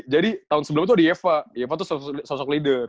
jadi tahun sebelumnya tuh ada eva eva tuh sosok leader